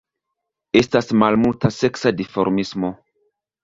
Estas malmulta seksa dimorfismo.